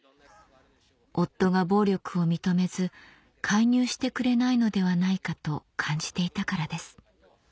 夫が暴力を認めず介入してくれないのではないかと感じていたからです